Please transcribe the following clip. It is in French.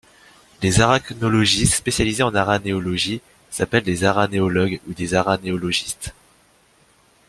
Les arachnologistes spécialisés en aranéologie s'appellent des aranéologues, ou des aranéologistes.